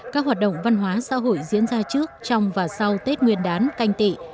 các hoạt động văn hóa xã hội diễn ra trước trong và sau tết nguyên đán canh tị